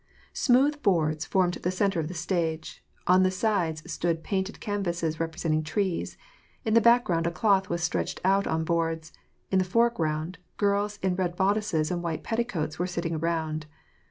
Smooth boards formed the centre of the stage, on the sides stood painted canvases representing trees, in the background a cloth was stretched out on boards, in the foreground girls in red bodices and white petticoats were sitting around.